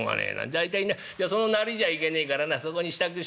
大体なそのなりじゃいけねえからなそこに支度しといた。